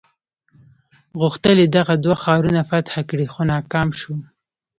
غوښتل یې دغه دوه ښارونه فتح کړي خو ناکام شو.